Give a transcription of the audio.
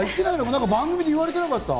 番組で言われてなかった？